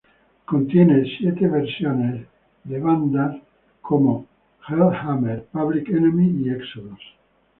Contiene siete versiones de bandas como Hellhammer, Public Enemy y Exodus.